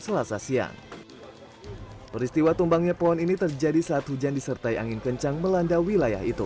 selasa siang peristiwa tumbangnya pohon ini terjadi saat hujan disertai angin kencang melanda wilayah itu